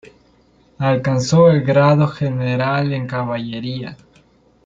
Alcanzó el grado de general de caballería.